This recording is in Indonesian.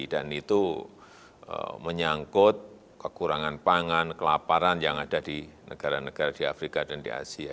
dan itu menyangkut kekurangan pangan kelaparan yang ada di negara negara di afrika dan di asia